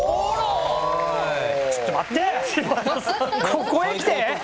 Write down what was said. ここへきて？